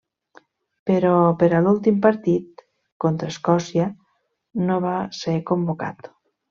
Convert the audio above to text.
Però per a l'últim partit, contra Escòcia, no va ser convocat.